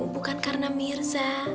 bukan karena mirza